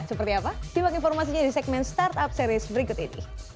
seperti apa simak informasinya di segmen startup series berikut ini